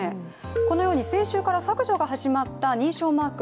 このように先週から削除が始まった認証マーク。